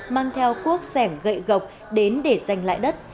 mang theo cuốc sẻng gậy gộc đến để giành lại đất